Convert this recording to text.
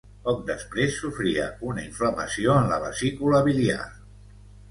Poc després sofria una inflamació en la vesícula biliar.